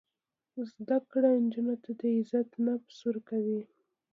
زده کړه نجونو ته د عزت نفس ورکوي.